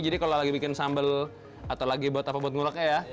jadi kalau lagi bikin sambel atau lagi buat apa buat nguleknya ya